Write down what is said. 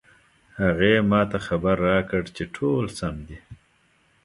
هغې ما ته خبر راکړ چې ټول سم دي